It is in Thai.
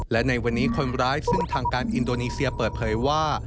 และในวันนี้คนร้ายซึ่งทางการอินโดนีเซียเปิดเผยว่า